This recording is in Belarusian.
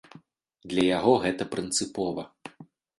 Для яго гэта прынцыпова.